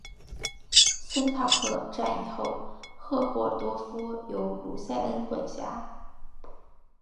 森帕赫战役后霍赫多夫由卢塞恩管辖。